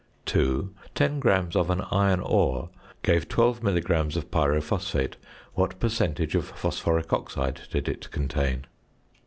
2. Ten grams of an iron ore gave 12 milligrams of pyrophosphate. What percentage of phosphoric oxide did it contain?